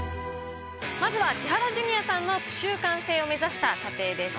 まずは千原ジュニアさんの句集完成を目指した査定です。